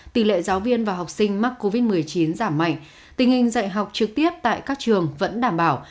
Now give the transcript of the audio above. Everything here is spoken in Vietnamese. tỷ lệ giáo viên và học sinh mắc covid một mươi chín giảm mạnh tình hình dạy học trực tiếp tại các trường vẫn đảm bảo